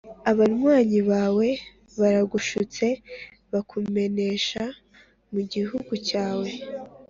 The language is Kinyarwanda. abanywanyi bawe baragushutse, bakumenesha mu gihugu cyawe!